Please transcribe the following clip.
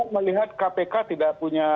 melihat kpk tidak punya